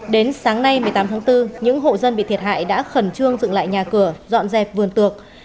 đến sáng nay một mươi tám tháng bốn những hộ dân bị thiệt hại đã khẩn trương dựng lại nhà cửa dọn dẹp vườn tược